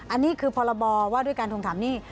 อันนี้คือพรบว่าด้วยการทวงถามหนี้